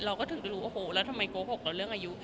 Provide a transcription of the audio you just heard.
เราก็ถึงจะรู้โอ้โหแล้วทำไมโกหกเราเรื่องอายุ